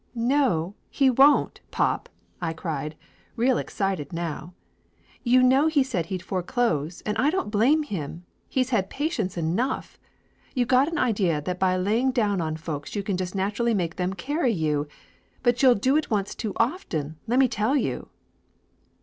"No, he won't, pop!" I cried, real excited now. "You know he said he'd foreclose, and I don't blame him! He's had patience enough! You got an idea that by laying down on folks you can just naturally make them carry you ! But you'll do it once too often, lemme tell you!"